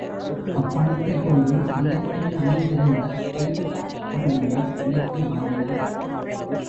அப்பணத்தைக் கொண்டு சந்தைவெளியில் அமைந்திருந்த ஹைகிளெர்க் பள்ளியை விலைக்கு வாங்கினார்.